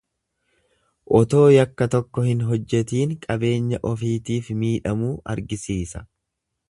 Otoo yakka tokko hin hojjetiin qabeenya ofiitiif miidhamuu argisiisa.